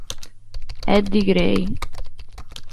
Eddie Gray